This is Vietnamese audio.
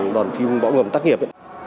đoàn phim bão ngầm tắt nghiệp